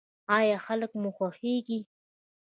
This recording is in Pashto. ایا خلک مو خوښیږي؟